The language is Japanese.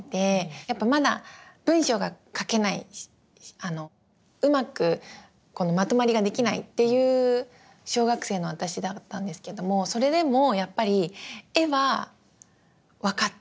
やっぱまだ文章が書けないうまくまとまりができないっていう小学生の私だったんですけどもそれでもやっぱり絵は分かった。